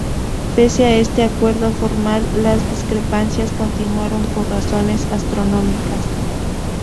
Pese a este acuerdo formal, las discrepancias continuaron por razones astronómicas.